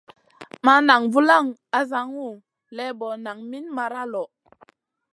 Ma nan vulaŋ asaŋu lébo naŋ min mara lo.